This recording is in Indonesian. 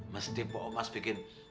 mesti pak omas bikin